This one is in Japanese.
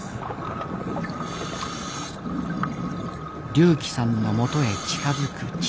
龍希さんの元へ近づく父。